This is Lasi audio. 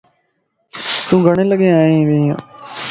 تون گڙين لگين آئين وينيَ؟